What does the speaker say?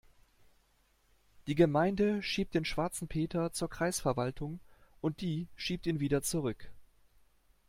Die Gemeinde schiebt den schwarzen Peter zur Kreisverwaltung und die schiebt ihn wieder zurück.